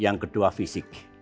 yang kedua fisik